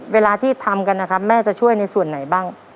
เวลาที่ทำกันนะครับแม่จะช่วยในส่วนไหนบ้าง